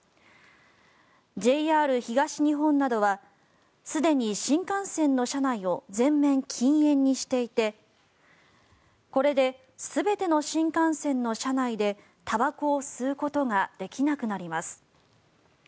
ＪＲ東日本などはすでに新幹線の車内を全面禁煙にしていてこれで全ての新幹線の車内でたばこを吸うことができなくなります。